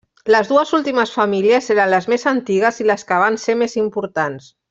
Les dues últimes famílies eren les més antigues i les que van ser més importants.